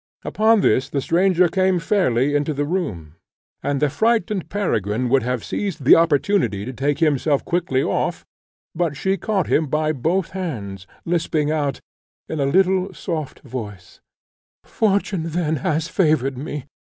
Upon this the stranger came fairly into the room, and the frightened Peregrine would have seized the opportunity to take himself quickly off, but she caught him by both hands, lisping out, in a little soft voice, "Fortune, then, has favoured me!